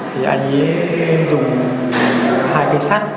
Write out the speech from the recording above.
thì anh ấy dùng hai cái sắt